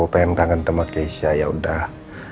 pengen kangen sama keisha yaudah